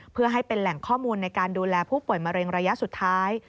เพื่อให้เป็นแหล่งข้อมูลในการดูแลผู้ป่วยมะเร็งระยะสุดท้าย